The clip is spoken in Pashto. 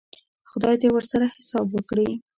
خدای دې ورسره حساب وکړي.